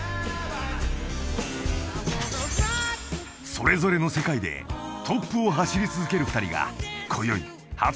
［それぞれの世界でトップを走り続ける２人がこよい初対面］